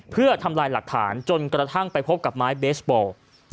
เพื่อทำลายหลักฐานจนกระทั่งไปพบกับไม้เบสบอล